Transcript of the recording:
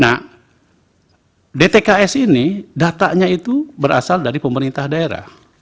nah dtks ini datanya itu berasal dari pemerintah daerah